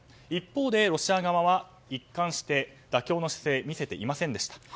一方でロシア側は一貫して妥協の姿勢を見せていませんでした。